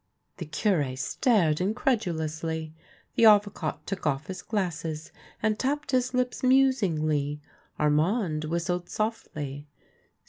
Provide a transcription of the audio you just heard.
The Cure stared incredulously, the Avocat took off his glasses and tapped his lips musingly, Armand whistled softly.